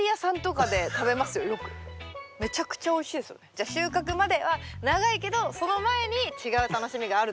じゃ収穫までは長いけどその前に違う楽しみがあるという。